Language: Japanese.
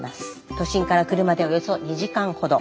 都心から車でおよそ２時間ほど。